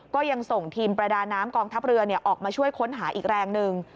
ก็ยังส่งทีมประดาน้ำกองทัพเรือออกมาช่วยค้นหาอีกแรงหนึ่ง